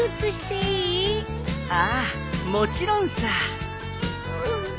ああもちろんさ。